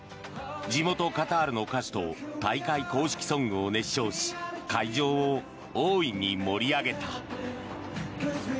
地元カタールの歌手と大会公式ソングを熱唱し会場を大いに盛り上げた。